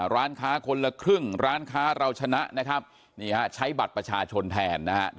ร้านค้าคนละครึ่งร้านค้าเราชนะใช้บัตรประชาชนแทน